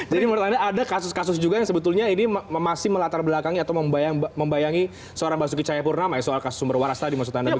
jadi menurut anda ada kasus kasus juga yang sebetulnya ini masih melatar belakangnya atau membayangi seorang mbak suki cahayapurnama ya soal kasus cumberwaras tadi maksud anda begitu